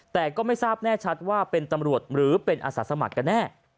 แต่ก็ไม่ทราบแน่ชัดว่าเป็นตำรวจหรือเป็นอาสาสมัครกันแน่